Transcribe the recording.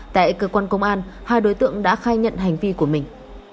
tại cơ quan công an hai đối tượng đã khai nhận hành vi của mình